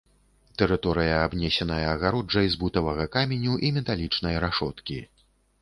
Тэрыторыя абнесеная агароджай з бутавага каменю і металічнай рашоткі.